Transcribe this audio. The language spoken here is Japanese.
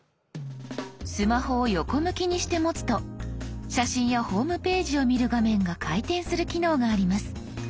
スマホを横向きにして持つと写真やホームページを見る画面が回転する機能があります。